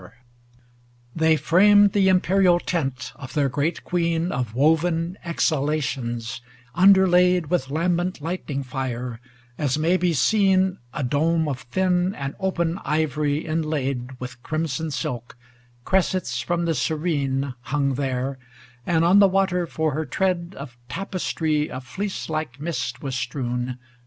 LIII They framed the imperial tent of their great Queen Of woven exhalations, underlaid With lambent lightning fire, as may be seen A dome of thin and open ivory inlaid With crimson silk; cressets from the serene Hung there, and on the water for her tread A tapestry of fleece like mist was strewn.